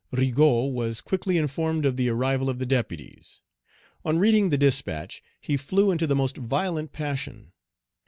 Rigaud was quickly informed of the arrival of the deputies. On reading the dispatch, he flew into the most violent passion.